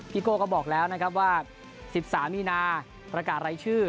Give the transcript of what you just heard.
โก้ก็บอกแล้วนะครับว่า๑๓มีนาประกาศรายชื่อ